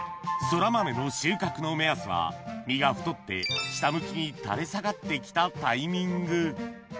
そらまめの収穫の目安は実が太って下向きに垂れ下がって来たタイミング